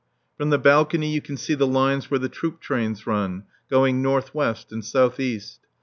From the balcony you can see the lines where the troop trains run, going north west and south east.